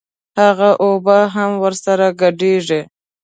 هغه اوبه هم ورسره ګډېږي.